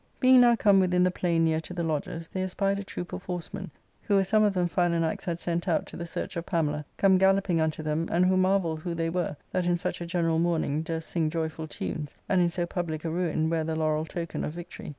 Being now come within the plain near to the lodges, they espied a troop of horsemen, who were some of them Philanax had sent out to the search of Pamela, come galloping unto them, and who marvelled who they were that in such a general mourning durst sing joyful tunes, and in so public a ruin wear the laurel token of victory.